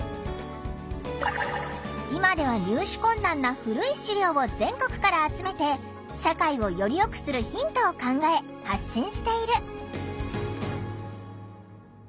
今では入手困難な古い資料を全国から集めて社会をよりよくするヒントを考え発信している。